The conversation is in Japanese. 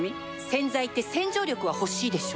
洗剤って洗浄力は欲しいでしょ